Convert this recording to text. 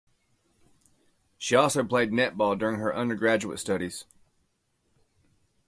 She also played netball during her undergraduate studies.